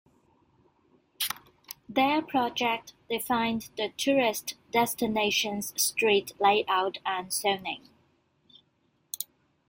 Their project defined the tourist destination's street layout and zoning.